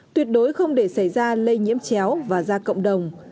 tuyệt đối không để xảy ra lây nhiễm chéo và ra cộng đồng